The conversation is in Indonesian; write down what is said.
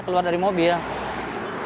keluar dari mobil